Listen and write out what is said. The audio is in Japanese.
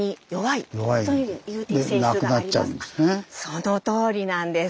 そのとおりなんです。